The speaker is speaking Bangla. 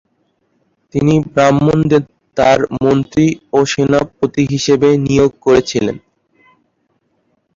তিনি ব্রাহ্মণদের তাঁর মন্ত্রী ও সেনাপতি হিসাবে নিয়োগ করেছিলেন।